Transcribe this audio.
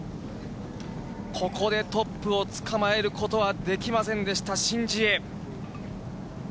ここでトップをつかまえることはできませんでした、シン・ジエ。